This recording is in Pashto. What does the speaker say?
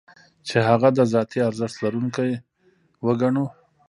چې هغه د ذاتي ارزښت لرونکی وګڼو.